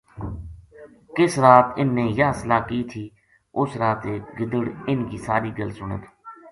کِس رات اِنھ نے یاہ صلاح کی تھی اُس رات ایک گدڑ اِنھ کی ساری گل سُنے تھو